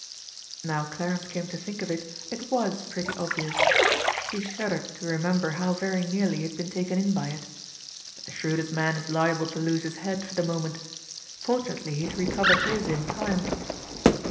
Now Clarence came to think of it, it was pretty obvious. He shuddered to remember how very nearly he had been taken in by it. But the shrewdest man is liable to lose his head for the moment. Fortunately he had recovered his in time.